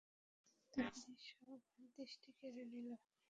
তাঁর দৃশ্য আমার দৃষ্টি কেড়ে নিল।